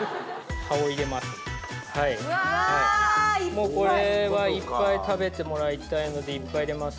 もうこれはいっぱい食べてもらいたいのでいっぱい入れます。